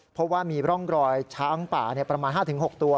เพราะว่ามีร่องรอยช้างป่าประมาณ๕๖ตัว